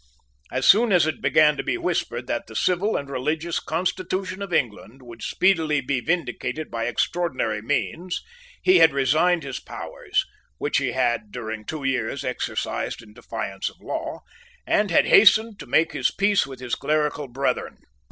As soon as it began to be whispered that the civil and religious constitution of England would speedily be vindicated by extraordinary means, he had resigned the powers which he had during two years exercised in defiance of law, and had hastened to make his peace with his clerical brethren.